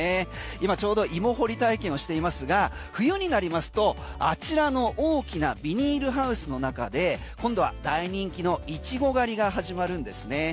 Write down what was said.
今ちょうど芋掘り体験をしていますが冬になりますと、あちらの大きなビニールハウスの中で今度は大人気のイチゴ狩りが始まるんですね。